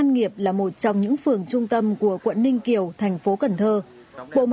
nghiệp là một trong những phường trung tâm của quận ninh kiều thành phố cần thơ